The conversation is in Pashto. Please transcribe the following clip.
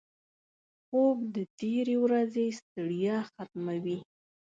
خوب د تېرې ورځې ستړیا ختموي